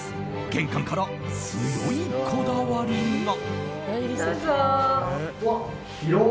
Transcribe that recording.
玄関から強いこだわりが。